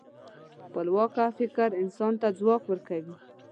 خپلواکه فکر انسان ته ځواک ورکوي.